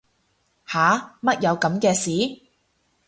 吓乜有噉嘅事